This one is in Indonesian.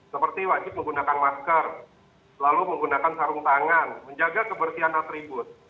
seperti wajib menggunakan masker lalu menggunakan sarung tangan menjaga kebersihan atribut